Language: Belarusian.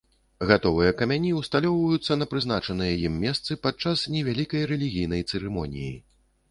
Гатовыя камяні ўсталёўваюцца на прызначаныя ім месцы падчас невялікай рэлігійнай цырымоніі.